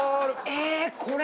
えこれ。